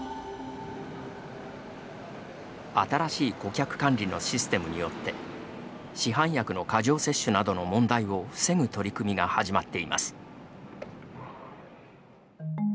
新しい顧客管理のシステムによって市販薬の過剰摂取などの問題を防ぐ取り組みが始まっています。